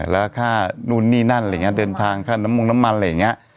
แล้วค่านู่นนี่นั่นอะไรอย่างนี้เดินทางค่าน้ำมงน้ำมันอะไรอย่างนี้